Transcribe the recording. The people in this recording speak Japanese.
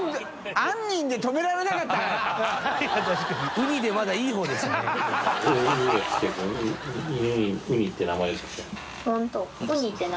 「ウニ」でまだいい方でしたね。